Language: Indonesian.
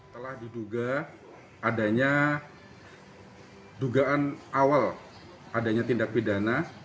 telah diduga adanya dugaan awal adanya tindak pidana